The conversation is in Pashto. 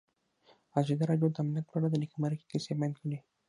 ازادي راډیو د امنیت په اړه د نېکمرغۍ کیسې بیان کړې.